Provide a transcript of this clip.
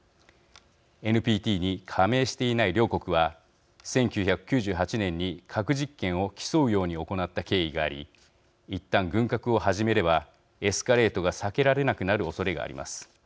ＮＰＴに加盟していない両国は１９９８年に核実験を競うように行った経緯がありいったん軍拡を始めればエスカレートが避けられなくなるおそれがあります。